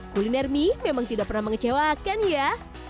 kuliner mie memang tidak pernah mengecewakan ya